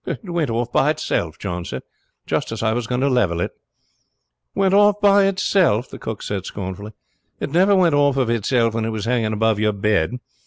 "It went off by itself," John said, "just as I was going to level it." "Went off by itself!" the cook said scornfully. "It never went off of itself when it was hanging above your bed.